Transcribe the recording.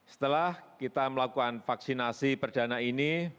setelah kita melakukan vaksinasi perdana ini